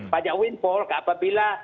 pajak windfall apabila